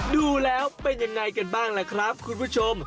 ดูแล้วเป็นยังไงกันบ้างล่ะครับคุณผู้ชม